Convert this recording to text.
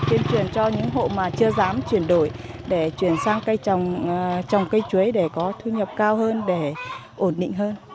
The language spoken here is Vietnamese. tuyên truyền cho những hộ mà chưa dám chuyển đổi để chuyển sang cây trồng trồng cây chuối để có thu nhập cao hơn để ổn định hơn